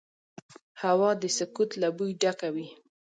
هوا د سکوت له بوی ډکه وي